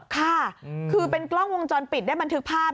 ค่ะคือเป็นกล้องวงจรปิดได้บันทึกภาพ